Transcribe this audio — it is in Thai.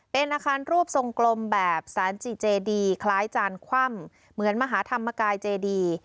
เป็นอาคารรูปทรงกลมแบบสารจิเจดีคล้ายจานคว่ำเหมือนมหาธรรมกายเจดี